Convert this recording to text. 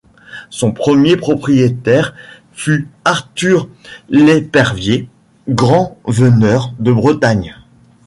Son premier propriétaire fut Arthur L'Epervier, Grand veneur de Bretagne.